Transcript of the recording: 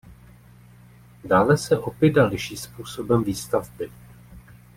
Dále se oppida liší způsobem výstavby.